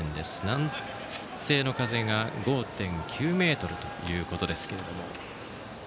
南西の風が５．９メートルということですけれども。